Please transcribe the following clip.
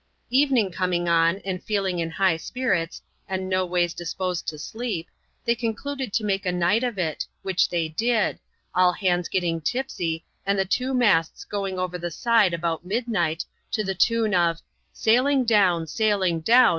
Evening coming on, and feeling in high spirits, and no ways disposed to sleep, they concluded to make a night of it ; which they did ; all hands getting tipsy, and the two masts going over the side about midnight, to the tune of " Sailing down, sailing down.